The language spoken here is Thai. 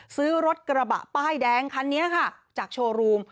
ซื้อรถกระบะป้ายแดงคันนี้ค่ะจากโชว์รูม